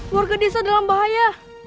warga desa dalam bahaya